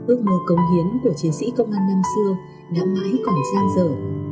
ước mơ cống hiến của chiến sĩ công an năm xưa đã mãi còn giang dở